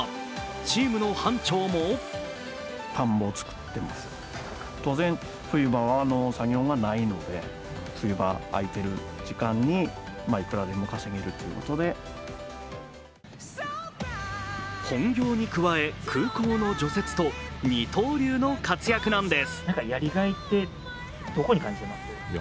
チームの班長も本業に加え、空港の除雪と二刀流の活躍なんです。